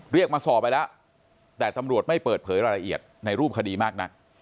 เรียกมาสอบไปแล้วแต่ตำรวจไม่เปิดเผยรายละเอียดในรูปคดีมากนัก